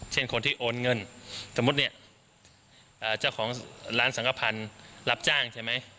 เช่นคนที่โอนเงินสมมุติเนี่ยเจ้าของร้านสังขพันธ์รับจ้างใช่ไหม